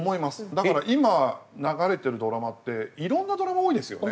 だから今流れてるドラマっていろんなドラマ多いですよね。